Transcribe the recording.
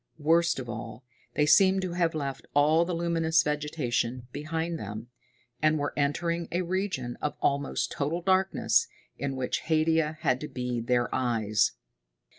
Worst of all, they seemed to have left all the luminous vegetation behind them, and were entering a region of almost total darkness, in which Haidia had to be their eyes.